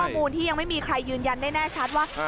ข้อมูลที่ยังไม่มีใครยืนยันได้แน่ชัดว่า